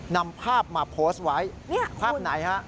นำภาพมาโพสต์ไว้ภาพไหนฮะ